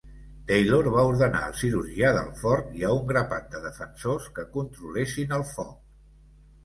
Taylor va ordenar al cirurgià del fort i a un grapat de defensors que controlessin el foc.